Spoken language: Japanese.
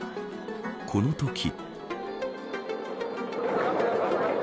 このとき。